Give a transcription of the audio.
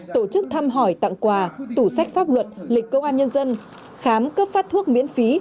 tổ chức thăm hỏi tặng quà tủ sách pháp luật lịch công an nhân dân khám cấp phát thuốc miễn phí